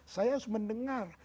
saya harus mendengar